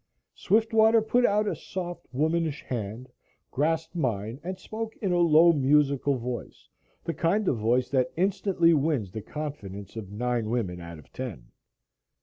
Swiftwater put out a soft womanish hand, grasped mine and spoke in a low musical voice, the kind of voice that instantly wins the confidence of nine women out of ten.